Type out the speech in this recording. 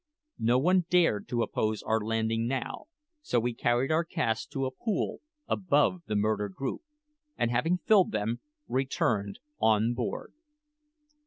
No one dared to oppose our landing now, so we carried our casks to a pool above the murdered group, and having filled them, returned on board.